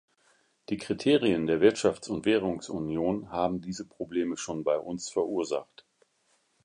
Die Kriterien der Wirtschafts- und Währungsunion haben diese Probleme schon bei uns verursacht.